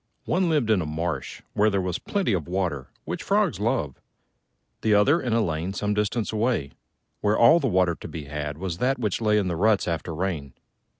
One lived in a marsh, where there was plenty of water, which frogs love: the other in a lane some distance away, where all the water to be had was that which lay in the ruts after rain.